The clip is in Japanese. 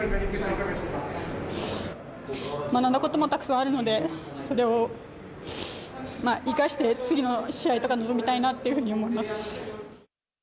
学んだこともたくさんあるので、それを生かして、次の試合とかに臨みたいなっていうふうに思います。